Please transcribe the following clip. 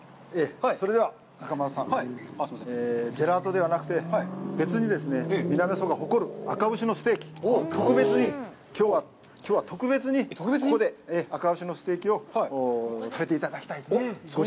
それでは、中丸さん、ジェラートではなくて、別に、南阿蘇が誇るあか牛のステーキ、きょうは特別に、ここであか牛のステーキを食べていただきたいと。